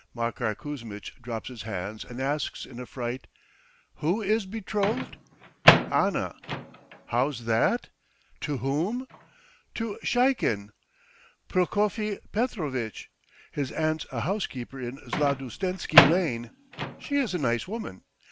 Makar Kuzmitch drops his hands and asks in a fright: "Who is betrothed?" "Anna." "How's that? To whom?" "To Sheikin. Prokofy Petrovitch. His aunt's a housekeeper in Zlatoustensky Lane. She is a nice woman.